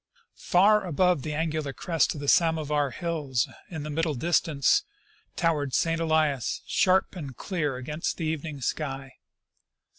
Far above the angular crest of the Samovar hills in the middle distance towered St. Elias, sharp and clear against the evening sky.